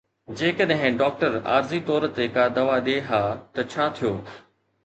جيڪڏهن ڊاڪٽر عارضي طور تي ڪا دوا ڏئي ها ته ڇا ٿيو؟